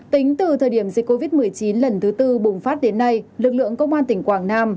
tính từ thời điểm dịch covid một mươi chín lần thứ tư bùng phát đến nay lực lượng công an tỉnh quảng nam